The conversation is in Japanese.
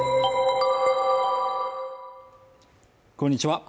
こんにちは